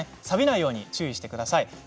さびないように注意してください。